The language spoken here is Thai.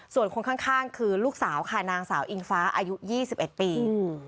ส่วนคนข้างคือลูกสาวค่ะนางสาวอิงฟ้าอายุ๒๑ปี